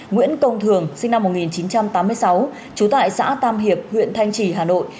nguyễn công thường sinh năm một nghìn chín trăm tám mươi sáu trú tại xã tam hiệp huyện thanh trì hà nội